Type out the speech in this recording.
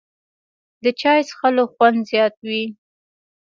د چای څښلو خوند زیات وي